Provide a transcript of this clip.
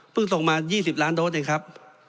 ส่งมา๒๐ล้านโดสเองครับ